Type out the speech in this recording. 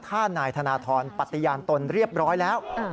ถ้านายธนทรปฏิญาณตนเรียบร้อยแล้ว